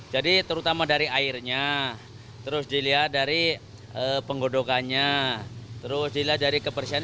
jadi terutama dari airnya terus dilihat dari penggodokannya terus dilihat dari kebersihan